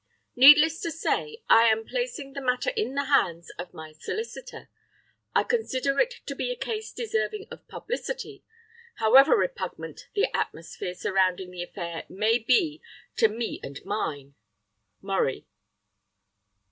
Needless to say, I am placing the matter in the hands of my solicitor; I consider it to be a case deserving of publicity, however repugnant the atmosphere surrounding the affair may be to me and mine. "Murray."